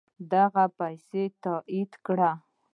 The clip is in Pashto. دغه پیسې تادیه کړي.